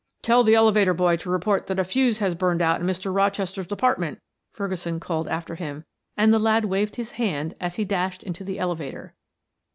"Tell the elevator boy to report that a fuse has burned out in Mr. Rochester's apartment," Ferguson called after him, and the lad waved his hand as he dashed into the elevator.